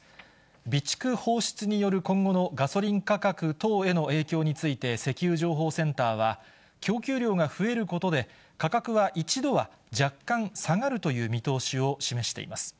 備蓄放出による今後のガソリン価格等への影響について、石油情報センターは、供給量が増えることで、価格は一度は若干下がるという見通しを示しています。